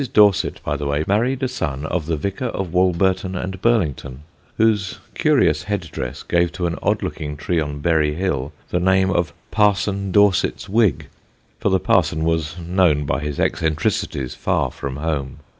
Dorset, by the way, married a son of the vicar of Walberton and Burlington, whose curious head dress gave to an odd looking tree on Bury hill the name of Parson Dorset's wig for the parson was known by his eccentricities far from home.